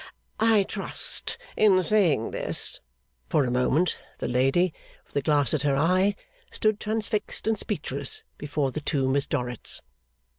I trust in saying this ' For a moment the lady, with a glass at her eye, stood transfixed and speechless before the two Miss Dorrits.